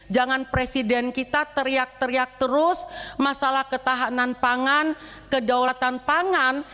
jangan presiden kita teriak teriak terus masalah ketahanan pangan kedaulatan pangan